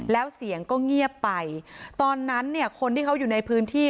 แล้วเสียงก็เงียบไปตอนนั้นเนี่ยคนที่เขาอยู่ในพื้นที่